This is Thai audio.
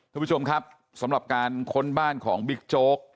ทุกผู้ชมครับสำหรับการค้นบ้านของบิ๊กโจ๊ก